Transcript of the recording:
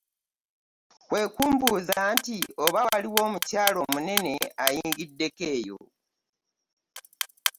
Kwekumbuuza nti oba waliwo omukyas omunene ayinigdde eyo .